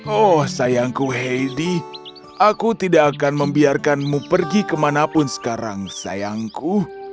oh sayangku heidi aku tidak akan membiarkanmu pergi kemanapun sekarang sayangku